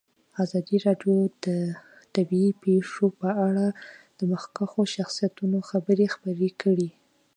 ازادي راډیو د طبیعي پېښې په اړه د مخکښو شخصیتونو خبرې خپرې کړي.